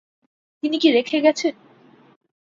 তিনি কি রেখে গেছেন?